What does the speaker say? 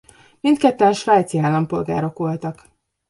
Mindketten svájci állampolgárok voltak.